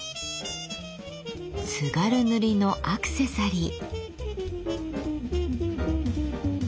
津軽塗のアクセサリー。